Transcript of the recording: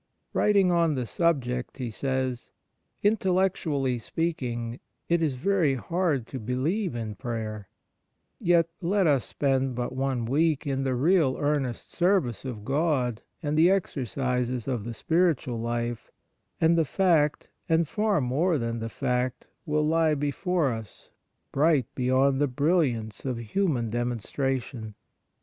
Writing on the subject, he says :' Intel lectually speaking, it is very hard to be lieve in prayer ; yet let us spend but one week in the real earnest service of God and the exercises of the spiritual life, and the fact, and far more than the fact, will lie before us, bright beyond the brilliance of human demonstration.'